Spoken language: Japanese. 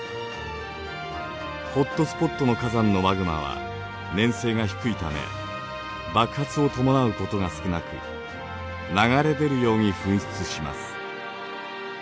ホットスポットの火山のマグマは粘性が低いため爆発を伴うことが少なく流れ出るように噴出します。